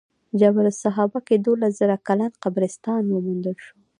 جبل سحابه کې دولس زره کلن قبرستان وموندل شو.